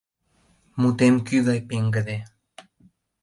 Мутем кӱ гай пеҥгыде.